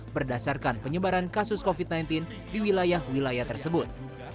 berdasarkan penyebaran kasus covid sembilan belas di wilayah wilayah tersebut